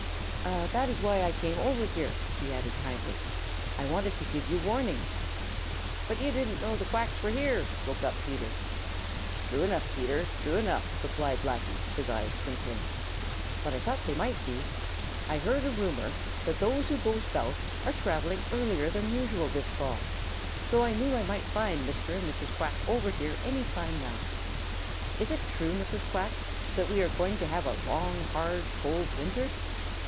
"That is why I came over here," he added kindly. "I wanted to give you warning." "But you didn't know the Quacks were here!" spoke up Peter. "True enough, Peter. True enough," replied Blacky, his eyes twinkling. "But I thought they might be. I had heard a rumor that those who go south are traveling earlier than usual this fall, so I knew I might find Mr. and Mrs. Quack over here any time now. Is it true, Mrs. Quack, that we are going to have a long, hard, cold winter?"